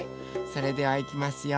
それではいきますよ。